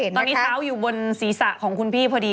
ตอนนี้เท้าอยู่บนศีรษะของคุณพี่พอดี